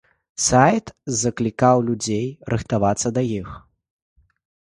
Сайт заклікаў людзей рыхтавацца да іх.